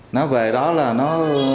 nó về đó là nó